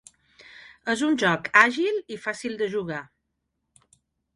És un joc àgil i fàcil de jugar.